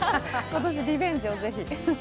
今年リベンジをぜひ。